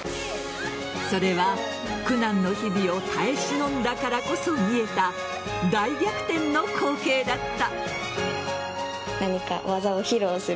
それは、苦難の日々を耐え忍んだからこそ見えた大逆転の光景だった。